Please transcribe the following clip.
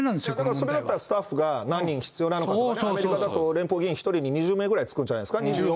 それだったら、スタッフが何人必要なのかとか、アメリカだと連邦議員１人に２０名くらいつくんじゃないですか。